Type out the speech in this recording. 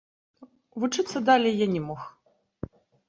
Вучыцца далей я не мог.